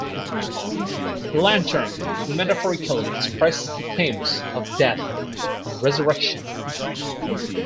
The lantern metaphorically expresses the themes of death and resurrection.